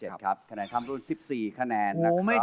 ๓๗ครับคะแนนคำรุน๑๔คะแนนนะครับ